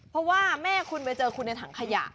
เพราะว่าแม่คุณไปเจอคุณในถังขยะ